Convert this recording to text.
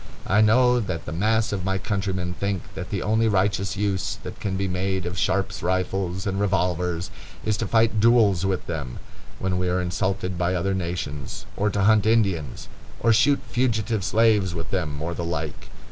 I know that the mass of my countrymen think that the only righteous use that can be made of Sharp's rifles and revolvers is to fight duels with them, when we are insulted by other nations, or to hunt Indians, or shoot fugitive slaves with them, or the like.